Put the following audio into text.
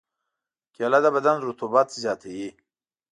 کېله د بدن رطوبت زیاتوي.